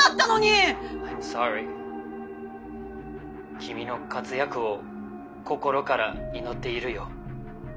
君の活躍を心から祈っているよ。